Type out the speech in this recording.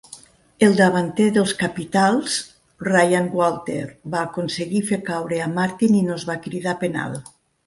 El davanter dels Capitals, Ryan Walter, va aconseguir fer caure a Martin i no es va cridar penal.